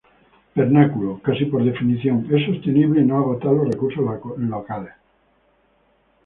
Vernáculo, casi por definición, es sostenible y no agotar los recursos locales.